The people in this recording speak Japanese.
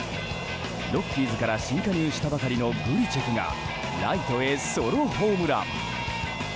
ロッキーズから新加入したばかりのグリチェクがライトへ、ソロホームラン。